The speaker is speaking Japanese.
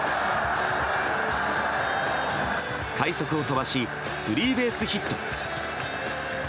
快足を飛ばしスリーベースヒット。